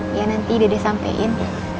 iya nanti dede sampein